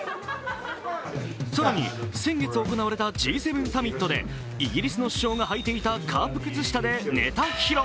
更に、先月行われたＧ７サミットでイギリスの首相がはいていたカープ靴下でネタ披露。